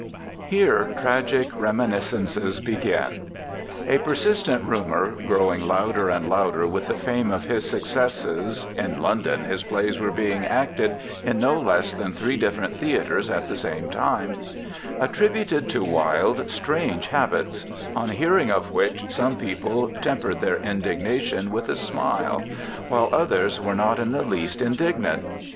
II. Here tragic reminiscences begin. A persistent rumour, growing louder and louder with the fame of his successes (in London his plays were being acted in no less than three different theatres at the same time), attributed to Wilde strange habits, on hearing of which, some people tempered their indignation with a smile, while others were not in the least indignant.